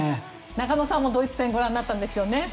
中野さんも、ドイツ戦ご覧になったんですよね。